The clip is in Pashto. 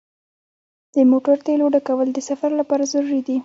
د موټر تیلو ډکول د سفر لپاره ضروري دي.